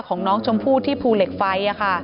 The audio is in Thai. ของน้องชมพู่ที่ภูเหล็กไฟ